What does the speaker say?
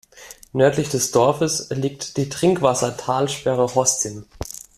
Nördlich des Dorfes liegt die Trinkwassertalsperre Hostim.